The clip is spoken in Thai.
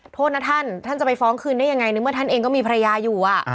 โทษนะท่านท่านจะไปฟ้องคืนได้ยังไงในเมื่อท่านเองก็มีภรรยาอยู่